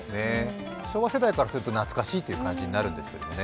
昭和世代からすると懐かしいという感じになるんですけどね。